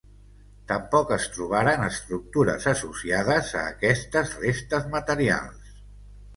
Tampoc es trobaren estructures associades a aquestes restes materials.